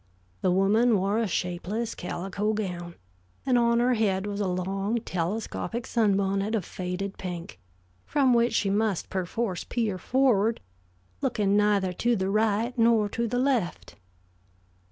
The woman wore a shapeless calico gown, and on her head was a long, telescopic sunbonnet of faded pink, from which she must perforce peer forward, looking neither to the right nor to the left.